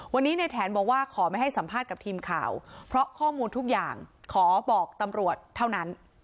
วันนี้ในแถนบอกว่าขอไม่ให้สัมภาษณ์กับทีมข่าวเพราะข้อมูลทุกอย่างขอบอกตำรวจเท่านั้น